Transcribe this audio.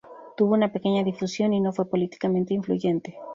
Tuvo una pequeña difusión y no fue políticamente influyente.